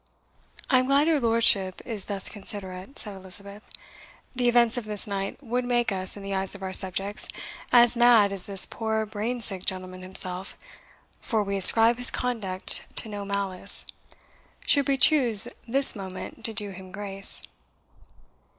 "I am glad your lordship is thus considerate," said Elizabeth. "The events of this night would make us, in the eyes of our subjects, as mad as this poor brain sick gentleman himself for we ascribe his conduct to no malice should we choose this moment to do him grace."